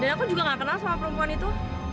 tapi aku juga nggak kenal sama perempuan itu